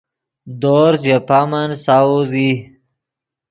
دورز ژے پامن ساؤز ای